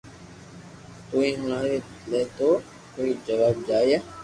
تو بي ھلاوي لي تو ڪوم ھوئي جائي